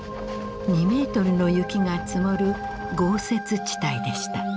２メートルの雪が積もる豪雪地帯でした。